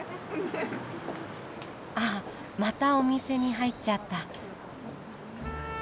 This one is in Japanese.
あっまたお店に入っちゃった。